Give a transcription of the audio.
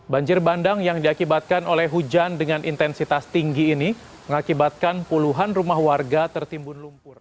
banjir bandang yang diakibatkan oleh hujan dengan intensitas tinggi ini mengakibatkan puluhan rumah warga tertimbun lumpur